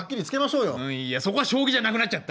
うんそこは将棋じゃなくなっちゃった。